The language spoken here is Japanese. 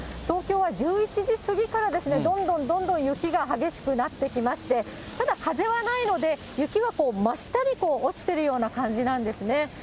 東京は１１時過ぎから、どんどんどんどん雪が激しくなってきまして、ただ風はないので、雪は真下に落ちてるような感じなんですね。